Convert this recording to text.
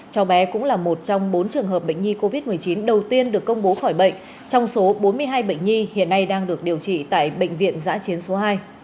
cháu bé cũng là một trong bốn trường hợp bệnh nhi covid một mươi chín đầu tiên được công bố khỏi bệnh trong số bốn mươi hai bệnh nhi hiện nay đang được điều trị tại bệnh viện giã chiến số hai